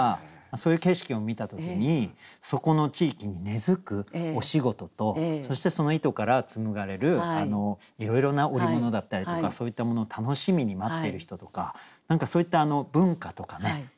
そういう景色を見た時にそこの地域に根づくお仕事とそしてその糸から紡がれるいろいろな織物だったりとかそういったものを楽しみに待っている人とか何かそういった文化とかね。